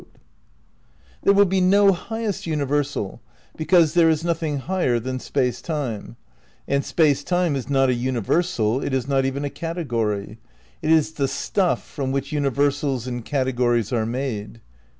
V THE CRITICAL PREPARATIONS 181 There will be no highest universal, because there is nothing higher than Space Time, and Space Time is not a universal, it is not even a category; it is the stuff from which universals and categories are made.